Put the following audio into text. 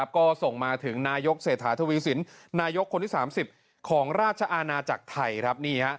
ก็ส่งมาถึงนายกเศรษฐาทวีสินนายกคนที่๓๐ของราชอาณาจักรไทย